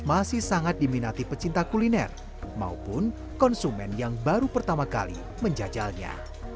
masih sangat diminati pecinta kuliner maupun konsumen yang baru pertama kali menjajalnya